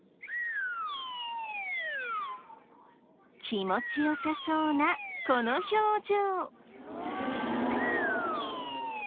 気持ちよさそうなこの表情。